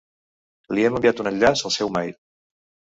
Li hem enviat un enllaç al seu mail.